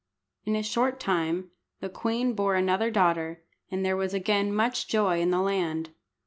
In a short time the queen bore another daughter, and there was again much joy in the land.